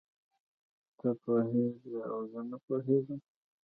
ته پوهېږې او زه نه پوهېږم.